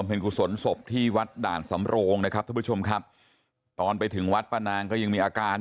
ขึ้นอยู่กับความเชื่อนะฮะสุดท้ายเนี่ยทางครอบครัวก็เชื่อว่าป้าแดงก็ไปที่วัดแล้ว